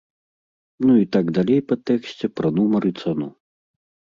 Ну і так далей па тэксце пра нумар і цану.